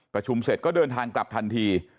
ประชุมเสร็จก็เดินทางกลับทันที